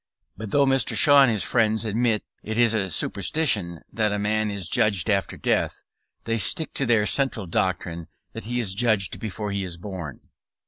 But though Mr. Shaw and his friends admit it is a superstition that a man is judged after death, they stick to their central doctrine, that he is judged before he is born.